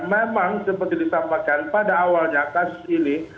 memang seperti disampaikan pada awalnya kasus ini